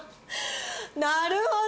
なるほど！